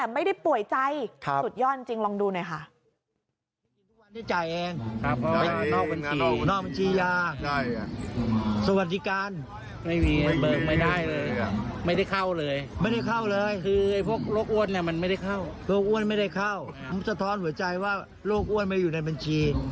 มันสะท้อนหัวใจว่าโรคอ้วนไม่ได้อยู่ในบัญชี